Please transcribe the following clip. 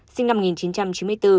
sinh năm một nghìn chín trăm chín mươi bốn